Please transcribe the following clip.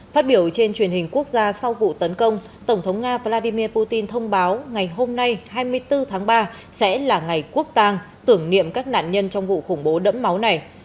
phát biểu trên truyền hình quốc gia sau vụ tấn công tổng thống nga vladimir putin thông báo ngày hôm nay hai mươi bốn tháng ba sẽ là ngày quốc tàng tưởng niệm các nạn nhân trong vụ khủng bố đẫm máu này